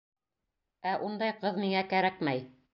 Ә ундай ҡыҙ миңә кәрәкмәй.